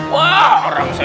wah orang saya